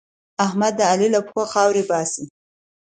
احمد د علي له پښو خاورې باسي.